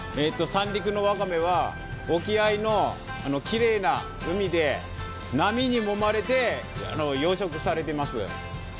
三陸のわかめは沖合のきれいな海で波にもまれて養殖されてます。